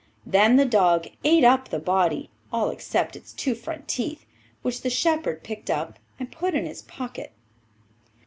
Then the dog ate up the body, all except its two front teeth, which the shepherd picked up and put in his pocket.